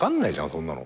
そんなの。